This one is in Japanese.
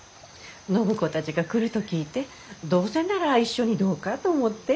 暢子たちが来ると聞いてどうせなら一緒にどうかと思って。